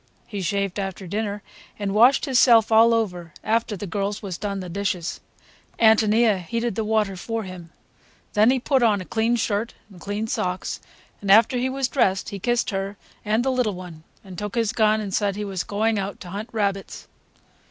He shaved after dinner, and washed hisself all over after the girls was done the dishes. Ántonia heated the water for him. Then he put on a clean shirt and clean socks, and after he was dressed he kissed her and the little one and took his gun and said he was going out to hunt rabbits.